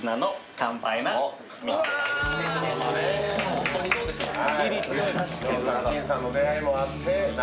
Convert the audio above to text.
本当にそうですもんね。